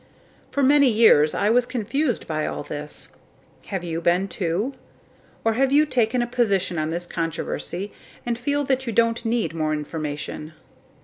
For many years I was confused by all this. Have you been too? Or have you taken a position on this controversy and feel that you don't need more information?